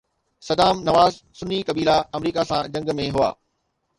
صدام نواز سني قبيلا آمريڪا سان جنگ ۾ هئا